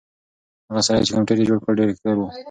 هغه سړی چې کمپیوټر یې جوړ کړ ډېر هوښیار و.